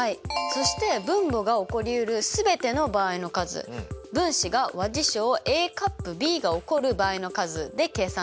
そして分母が起こりうる全ての場合の数分子が和事象Ａ∪Ｂが起こる場合の数で計算できますよね。